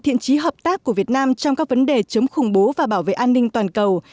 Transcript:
thiện trí hợp tác của việt nam trong các vấn đề chống khủng bố và bảo vệ an ninh toàn cầu